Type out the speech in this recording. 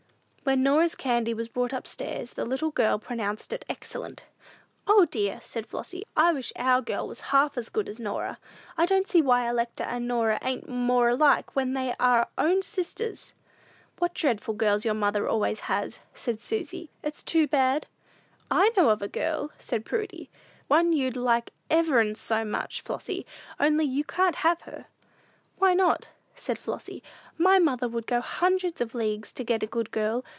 When Norah's candy was brought up stairs, the little girls pronounced it excellent. "O, dear," said Flossy, "I wish our girl was half as good as Norah! I don't see why Electa and Norah ain't more alike when they are own sisters!" "What dreadful girls your mother always has!" said Susy; "it's too bad?" "I know of a girl," said Prudy, "one you'd like ever'n, ever so much, Flossy; only you can't have her." "Why not?" said Flossy; "my mother would go hundreds of leagues to get a good girl.